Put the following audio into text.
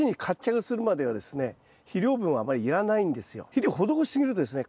肥料を施し過ぎるとですね